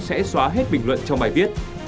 sẽ xóa hết bình luận trong bài viết